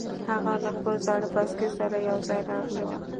هغه له خپل زاړه بایسکل سره یوځای راغلی و